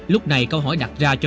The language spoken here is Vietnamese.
lúc này câu hỏi đặt ra cho